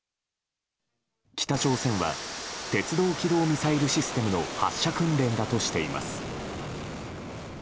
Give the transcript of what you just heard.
北朝鮮は鉄道機動ミサイルシステムの発射訓練だとしています。